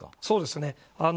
そうですね。